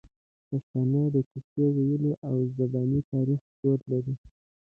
پښتانه د کیسې ویلو او زباني تاریخ دود لري.